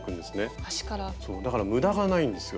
だから無駄がないんですよ。